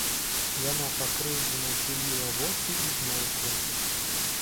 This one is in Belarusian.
Яна пакрыўджана ўтуліла вочы і змоўкла.